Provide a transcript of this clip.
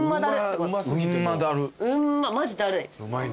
うまっマジだるい。